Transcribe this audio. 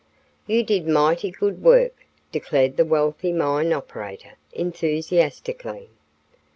"You did mighty good work" declared the wealthy mine operator, enthusiastically.